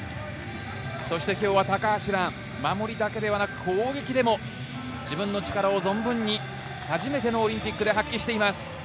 そして今日は高橋は守りだけではなく、攻撃でも自分の力を存分に初めてのオリンピックで発揮しています。